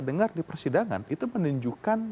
dengar di persidangan itu menunjukkan